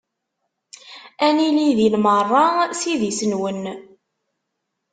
Ad nili din merra s idis-nwen.